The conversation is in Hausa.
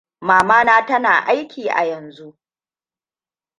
Mamana tana aiki a yanzu.